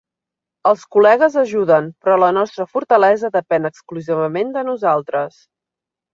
Els col·legues ajuden, però la nostra fortalesa depèn exclusivament de nosaltres.